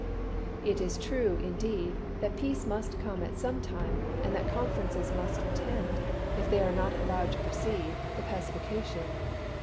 "It is true, indeed, that peace must come at some time, and that conferences must attend, if they are not allowed to precede, the pacification.